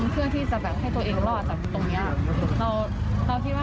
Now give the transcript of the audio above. เพื่อที่จะแบบให้ตัวเองรอดจากตรงนี้